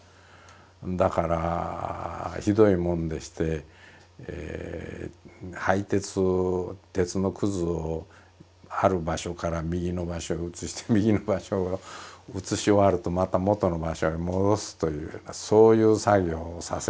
だからひどいもんでして廃鉄鉄のくずをある場所から右の場所へ移して右の場所移し終わるとまた元の場所へ戻すというようなそういう作業をさせられる。